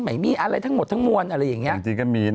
ไม่มีอะไรทั้งหมดทั้งมวลอะไรอย่างนี้